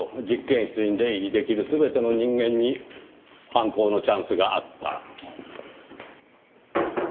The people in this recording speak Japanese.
験室に出入りできる全ての人間に犯行のチャンスがあった。